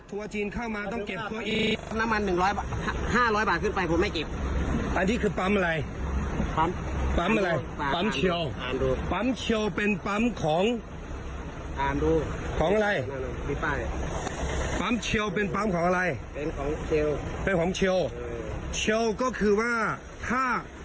ปั๊มเชียวเป็นปั๊มของอะไรเป็นของเชียวเป็นของเชียวเชียวก็คือว่าถ้า